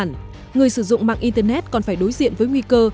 tuy nhiên người sử dụng mạng internet còn phải đối diện với nguy cơ